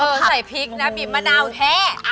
ใส่พริกนะบีบมะนาวแท้